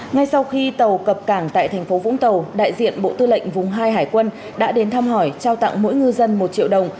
ngay sau khi tàu cập cảng tại thành phố vũng tàu đại diện bộ tư lệnh vùng hai hải quân đã đến thăm hỏi trao tặng mỗi ngư dân một triệu đồng